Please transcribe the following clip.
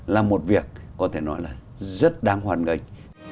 là một việc có thể nói là rất đáng hoàn gánh